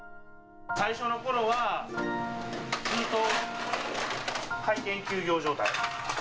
最初のころは、ずっと開店休業状態。